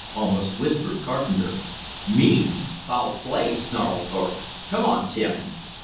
almost whispered Carpenter. "Mean? Foul play!" snarled Thorpe. "Come on, Tim."